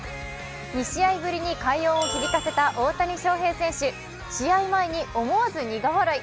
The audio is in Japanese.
２試合ぶりに快音を響かせた大谷翔平選手、試合前に思わず苦笑い。